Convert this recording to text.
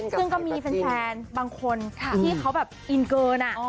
ซึ่งก็มีแฟนบางคนที่เขาแบบอินเกิน